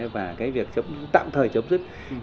và cái việc tạm thời chấm dứt